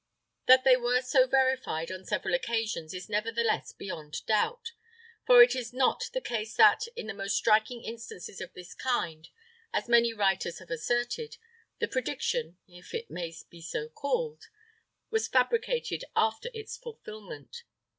That they were so verified on several occasions is nevertheless beyond doubt; for it is not the case that, in the most striking instances of this kind, as many writers have asserted, the prediction, if it may be so called, was fabricated after its fulfilment.